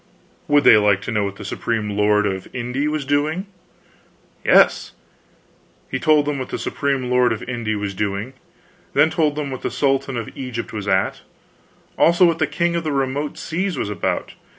Would they like to know what the Supreme Lord of Inde was doing? Yes. He told them what the Supreme Lord of Inde was doing. Then he told them what the Sultan of Egypt was at; also what the King of the Remote Seas was about.